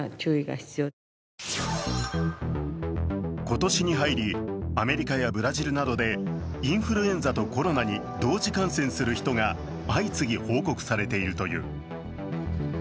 今年に入り、アメリカやブラジルなどでインフルエンザとコロナに同時感染する人が相次ぎ報告されているという。